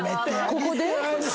ここで？